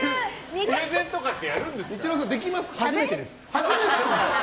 プレゼンとかできるんですか。